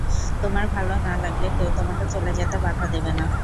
তোমার ভালো না লাগলে, কেউ তোমাকে চলে যেতে বাধা দেবে না।